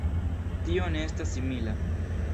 Tio ne estas simila.